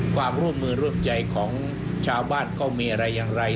ความร่วมมือร่วมใจของชาวบ้านก็มีอะไรอย่างไร